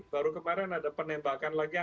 baru kemarin ada penembakan lagi